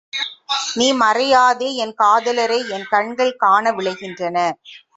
நீ மறையாதே என் காதலரை என் கண்கள் காண விழைகின்றன.